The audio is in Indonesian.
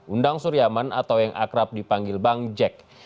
undang suryaman atau yang akrab dipanggil bang jack